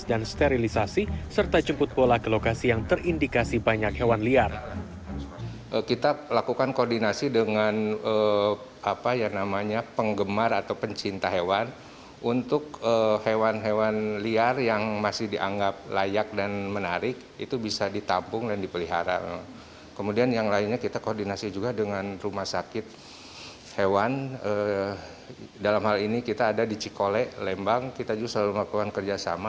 dan sterilisasi serta jemput bola ke lokasi yang terindikasi banyak hewan liar